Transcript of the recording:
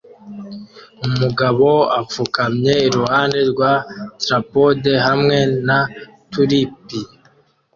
Umugabo apfukamye iruhande rwa trapode hamwe na tulipi